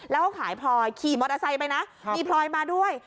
แล้วก็ขายพลอยขี่มอเตอร์ไซค์ไปนะมีพลอยมาด้วย